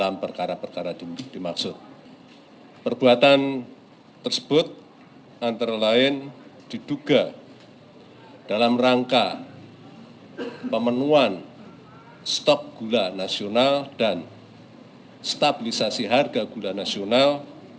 menurut antara lain diduga dalam rangka pemenuhan stok gula nasional dan stabilisasi harga gula nasional